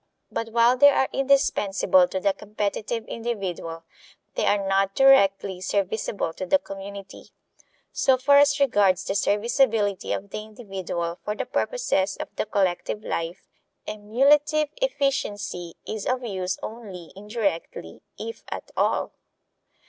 But while they are indispensable to the competitive individual, they are not directly serviceable to the community. So far as regards the serviceability of the individual for the purposes of the collective life, emulative efficiency is of use only indirectly if at all.